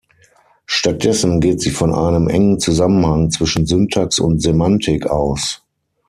Stattdessen geht sie von einem engen Zusammenhang zwischen Syntax und Semantik aus.